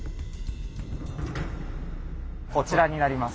こちらになります。